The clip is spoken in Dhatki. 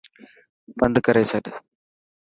بند ڪري ڇڏ.